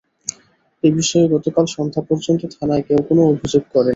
এ বিষয়ে গতকাল সন্ধ্যা পর্যন্ত থানায় কেউ কোনো অভিযোগ করেননি।